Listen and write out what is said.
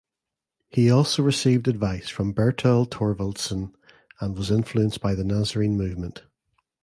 He also received advice from Bertel Thorvaldsen and was influenced by the Nazarene movement.